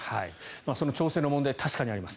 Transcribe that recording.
その調整の問題は確かにあります。